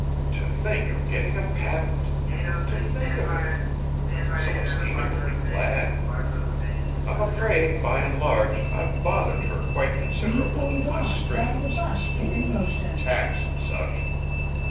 "To think of gettin' a patent! To think of it! Celestina will be glad. I'm afraid, by an' large, I've bothered her quite considerable with my strings, an' spools, an' tacks, an' such.